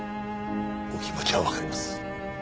お気持ちはわかります。